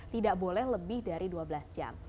tidak boleh lebih dari dua belas jam